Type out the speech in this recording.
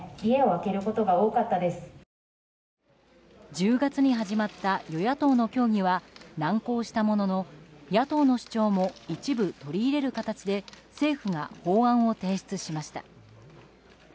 １０月に始まった与野党の協議は難航したものの野党の主張も一部取り入れる形で政府が法案を提出しました。